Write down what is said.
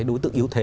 đối tượng yếu thế